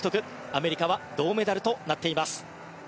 アメリカは銅メダルとなっています。